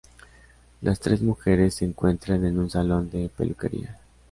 Las tres mujeres se encuentran en un salón de peluquería.